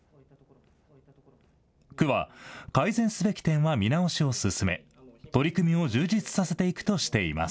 区は改善すべき点は見直しを進め、取り組みを充実させていくとしています。